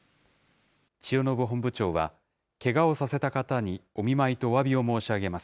千代延本部長はけがをさせた方にお見舞いとおわびを申し上げます。